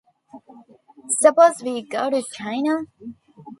Suppose we go to China..